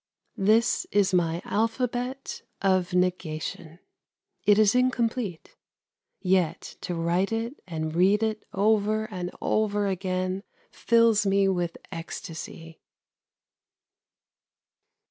That is my alphabet of negation. It is incomplete. Yet to write it and read it over and over again fills me with ecstasy.